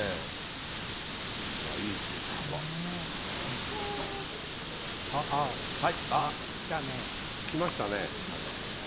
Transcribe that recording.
これはいい位置ですよ、あっ。来たね。